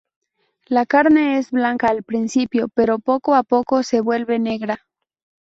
La carne es blanca al principio pero poco a poco se vuelve negra.